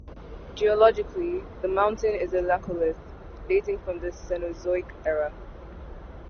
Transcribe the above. Geologically, the mountain is a laccolith, dating from the Cenozoic era.